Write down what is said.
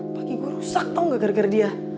pagi gua rusak tahu gak gara gara dia